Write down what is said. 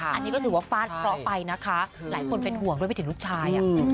อันนี้ก็ถือว่าฟาดเคราะห์ไปนะคะหลายคนเป็นห่วงด้วยไปถึงลูกชาย